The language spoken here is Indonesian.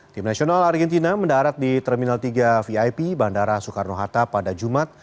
tim nasional argentina mendarat di terminal tiga vip bandara soekarno hatta pada jumat